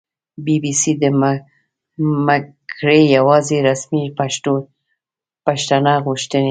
بي بي سي دمګړۍ یواځې رسمي بښنه غوښتې